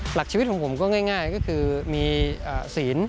หลักชีวิตของผมก็ง่ายก็คือมีศีล